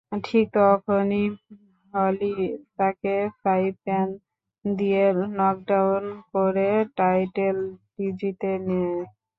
ঠিক তখনি হলি তাকে ফ্রাই প্যান দিয়ে নকআউট করে টাইটেলটি জিতে নেয়।